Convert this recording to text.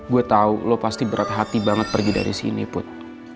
gue tau lo pasti berat hati banget pergi dari sini put